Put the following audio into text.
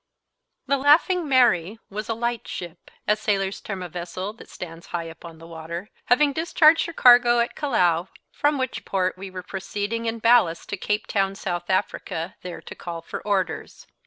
The Laughing Mary was a light ship, as sailors term a vessel that stands high upon the water, having discharged her cargo at Callao, from which port we were proceeding in ballast to Cape Town, South Africa, there to call for orders.